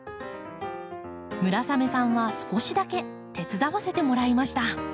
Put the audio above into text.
村雨さんは少しだけ手伝わせてもらいました。